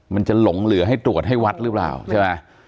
มันจะหลงเหลือให้ตรวจให้วัดหรือเปล่าใช่ไหม